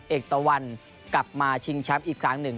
เอกตะวันกลับมาชิงแชมป์อีกครั้งหนึ่ง